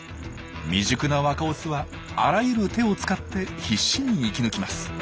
未熟な若オスはあらゆる手を使って必死に生き抜きます。